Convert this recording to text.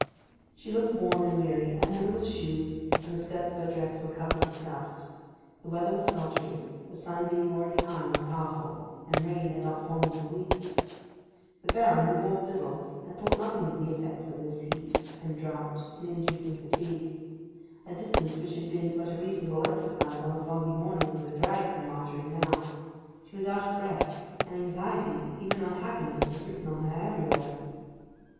She looked worn and weary, and her little shoes and the skirts of her dress were covered with dust. The weather was sultry, the sun being already high and powerful, and rain had not fallen for weeks. The Baron, who walked little, had thought nothing of the effects of this heat and drought in inducing fatigue. A distance which had been but a reasonable exercise on a foggy morning was a drag for Margery now. She was out of breath; and anxiety, even unhappiness was written on her everywhere.